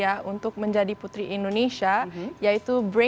yang pastinya itu yayasan putri indonesia sudah memiliki tiga kriteria